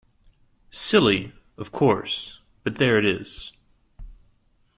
Silly, of course, but there it is.